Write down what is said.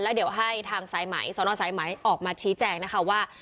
แล้วเดี๋ยวให้ทางสายไหมสนสายไหมออกมาชี้แจงนะคะว่า